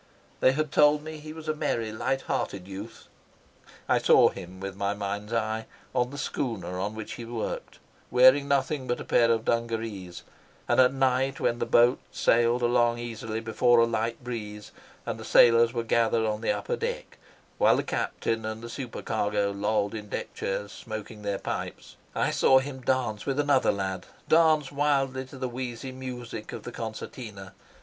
They had told me he was a merry, light hearted youth. I saw him, with my mind's eye, on the schooner on which he worked, wearing nothing but a pair of dungarees; and at night, when the boat sailed along easily before a light breeze, and the sailors were gathered on the upper deck, while the captain and the supercargo lolled in deck chairs, smoking their pipes, I saw him dance with another lad, dance wildly, to the wheezy music of the concertina.